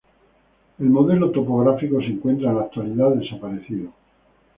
El modelo topográfico se encuentra en la actualidad desaparecido.